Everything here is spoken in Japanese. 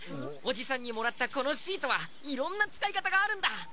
おじさんにもらったこのシートはいろんなつかいかたがあるんだ。